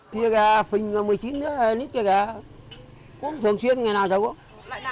thì cái phình một mươi chín nít kia kìa uống thường xuyên ngày nào rồi cũng hết